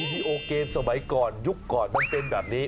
ดีโอเกมสมัยก่อนยุคก่อนมันเป็นแบบนี้